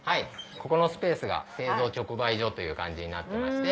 ここのスペースが製造直売所という感じになってまして。